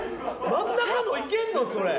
真ん中のいけんの？